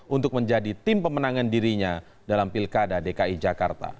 untuk menjadi tim pemenangan dirinya dalam pilkada dki jakarta